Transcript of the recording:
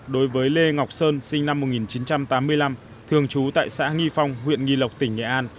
đối với lê ngọc sơn sinh năm một nghìn chín trăm tám mươi năm thường trú tại xã nghi phong huyện nghi lộc tỉnh nghệ an